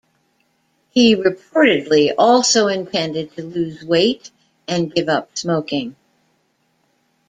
He reportedly also intended to lose weight and give up smoking.